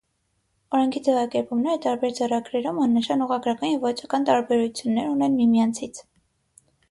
Օրենքի ձևակերպումները տարբեր ձեռագրերում աննշան ուղղագրական և ոճական տարբերություններ ունեն միմյանցից։